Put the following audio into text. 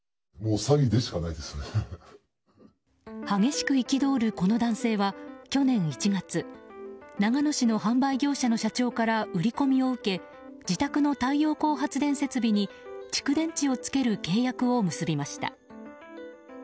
激しく憤るこの男性は去年１月長野市の販売業者の社長から売り込みを受け自宅の太陽光発電設備に蓄電池をつける契約を結びました。